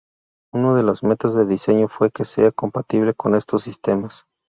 Uno de las metas de diseño fue que sea compatible con estos sistemas.